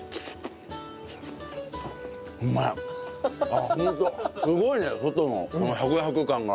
あっホントすごいね外のこのサクサク感が。